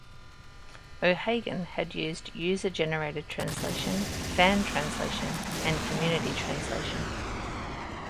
O'Hagan has used "user-generated translation", "fan translation" and "community translation".